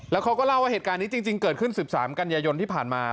แล้วเขาก็เล่าว่าเหตุการณ์นี้จริงเกิดขึ้น๑๓กันยายนที่ผ่านมา